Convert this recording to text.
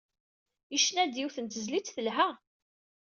Yecna-d yiwet n tezlit telha.